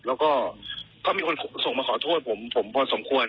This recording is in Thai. แล้วก็ก็มีคนส่งมาขอโทษผมผมพอสมควร